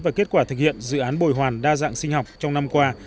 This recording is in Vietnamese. và kết quả thực hiện dự án bồi hoàn đa dạng sinh học trong năm qua